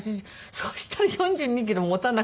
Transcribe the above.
そしたら４２キロもたなくて。